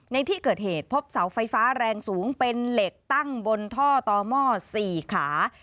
ในที่เกิดเหตุพบเสาไฟฟ้าแรงสูงเป็นเหล็กตั้งบนท่อต่อหม้อ๔ขา